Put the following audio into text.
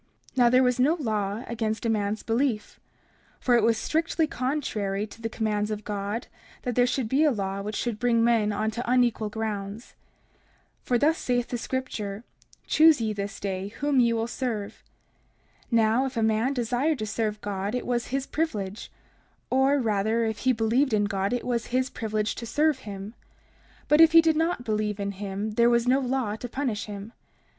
30:7 Now there was no law against a man's belief; for it was strictly contrary to the commands of God that there should be a law which should bring men on to unequal grounds. 30:8 For thus saith the scripture: Choose ye this day, whom ye will serve. 30:9 Now if a man desired to serve God, it was his privilege; or rather, if he believed in God it was his privilege to serve him; but if he did not believe in him there was no law to punish him.